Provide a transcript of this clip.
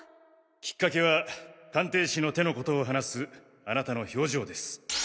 きっかけは鑑定士の手のことを話すあなたの表情です。